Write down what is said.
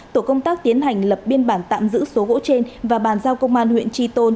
tổ công tác tiến hành lập biên bản tạm giữ số gỗ trên và bàn giao công an huyện tri tôn